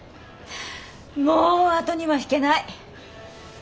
もう後には引けない。